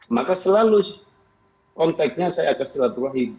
maka selalu konteknya saya ke silatul rahim